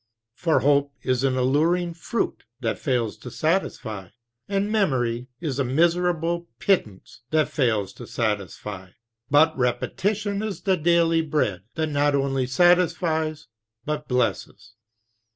For hope is an alluring fruit that fails to satisfy; and memory is a miserable pittance that fails to satisfy; but repetition is the daily bread that not only satisfies but blesses.